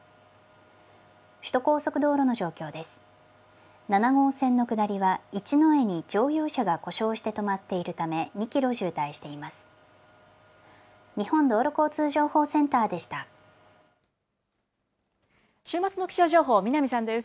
首都高速道路の状況です。